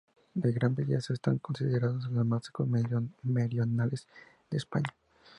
De gran belleza, están consideradas las más meridionales de España.